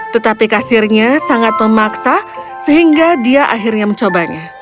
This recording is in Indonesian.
tetapi kasirnya sangat memaksa sehingga dia akhirnya mencobanya